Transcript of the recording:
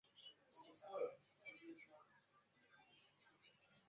尤登巴赫是德国图林根州的一个市镇。